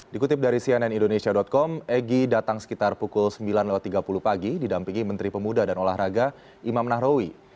dikutip dari cnn indonesia com egy datang sekitar pukul sembilan tiga puluh pagi didampingi menteri pemuda dan olahraga imam nahrawi